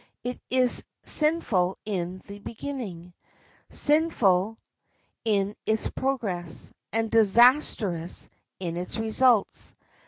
It is sinful in its beginning, sinful in its progress, and disastrous in its results.